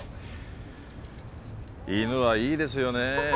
犬はいいですよね